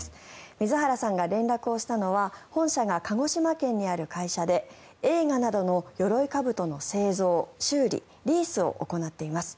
水原さんが連絡をしたのは本社が鹿児島県にある会社で映画などのよろいかぶとの製造・修理・リースを行っています。